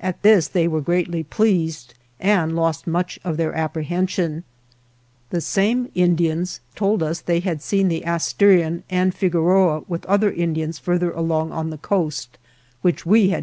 At this they were greatly pleased and lost much of their apprehension. The same Indians told us they had seen the Asturian and Figueroa with other In dians further along on the coast, which we "There is no mention of this story in Oviedo.